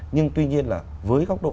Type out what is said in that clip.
nhưng tuy nhiên là với góc độ